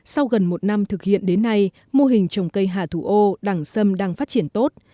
sau gần một năm thực hiện đến nay mô hình trồng cây hà thủ ô đẳng sâm đang phát triển tốt